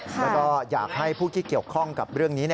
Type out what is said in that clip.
แล้วก็อยากให้ผู้ที่เกี่ยวข้องกับเรื่องนี้